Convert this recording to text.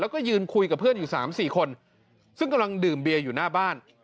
แล้วก็ยืนคุยกับเพื่อนอยู่๓๔คนซึ่งกำลังดื่มเบียร์อยู่หน้าบ้าน